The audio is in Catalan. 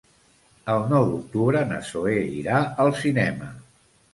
El nou d'octubre na Zoè irà al cinema.